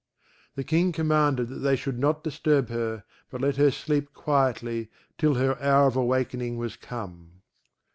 The King commanded that they should not disturb her, but let her sleep quietly till her hour of awakening was come.